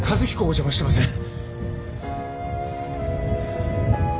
お邪魔してません？